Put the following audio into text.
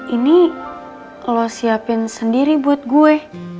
ini allah siapin sendiri buat gue